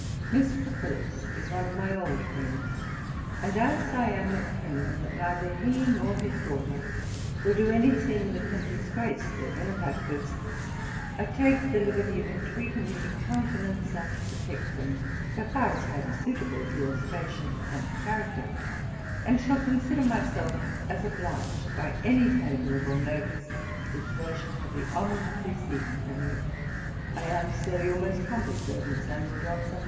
Mr. Philips is one of my old friends; and as I am of opinion that neither he nor his daughter will do any thing that can disgrace their benefactors, I take the liberty of entreating you to countenance and protect them so far as may be suitable to your station and character; and shall consider myself as obliged by any favourable notice which they shall have the honour of receiving from you. I am, Sir, Your most humble servant, SAM JOHNSON.